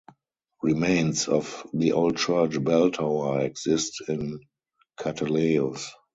Remains of the old church bell-tower exist in Kateleios.